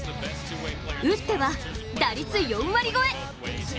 打っては打率４割超え！